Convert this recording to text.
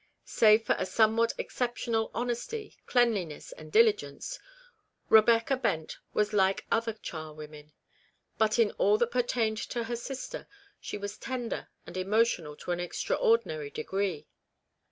Save for a somewhat exceptional honesty, cleanliness, and diligence, Rebecca Bent was like other char women ; but in all that pertained to her sister, she was tender and emotional to an extra ordinary degree.